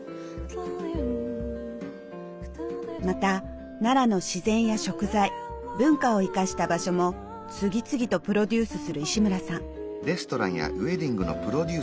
また奈良の自然や食材文化を生かした場所も次々とプロデュースする石村さん。